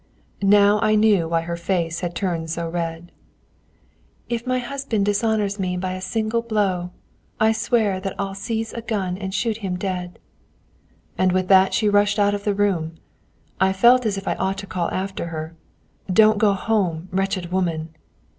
Now I knew why her face had turned so red "If my husband dishonours me by a single blow, I swear that I'll seize a gun and shoot him dead!" And with that she rushed out of the room. I felt as if I ought to call after her: "Don't go home, wretched woman!"